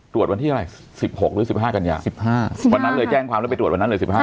ตรวจวันที่อะไรสิบหกหรือสิบห้ากันอย่างสิบห้าวันนั้นเลยแจ้งความแล้วไปตรวจวันนั้นเลยสิบห้า